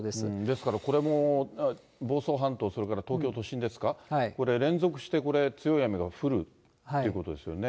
ですからこれも、房総半島、それから東京都心ですか、これ連続して、強い雨が降るってことですよね。